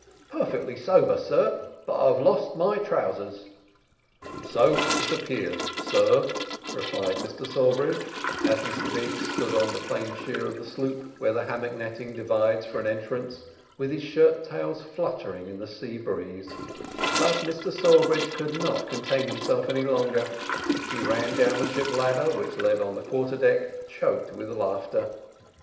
"Perfectly sober, sir, but I've lost my trousers." "So it appears, sir," replied Mr Sawbridge, as Mr Biggs stood on the planeshear of the sloop where the hammock netting divides for an entrance, with his shirt tails fluttering in the sea breeze; but Mr Sawbridge could not contain himself any longer; he ran down the ship ladder which led on the quarter deck, choked with laughter.